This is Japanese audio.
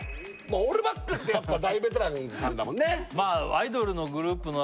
オールバックってやっぱ大ベテランさんだもんね